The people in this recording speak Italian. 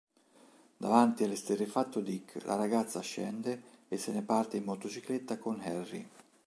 Davanti all'esterrefatto Dick, la ragazza scende e se ne parte in motocicletta con Harry.